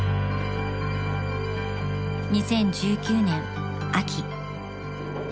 ［２０１９年秋］